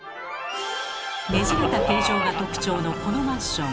ねじれた形状が特徴のこのマンション。